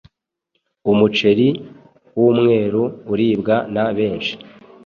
Umuceri w’umweru uribwa na benshi